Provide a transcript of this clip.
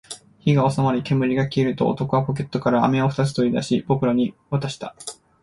火が収まり、煙が消えると、男はポケットから飴を二つ取り出し、僕らに渡した